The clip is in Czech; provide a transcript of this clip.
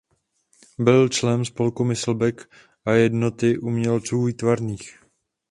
Byl členem spolku Myslbek a Jednoty umělců výtvarných.